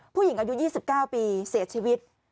ผู้หญิงอายุ๒๙ปีเสียชีวิต